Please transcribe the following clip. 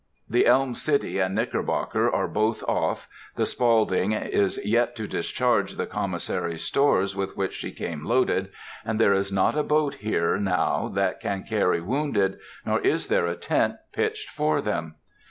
The Elm City and Knickerbocker are both off, the Spaulding is yet to discharge the commissary stores with which she came loaded, and there is not a boat here now which can carry wounded, nor is there a tent pitched for them.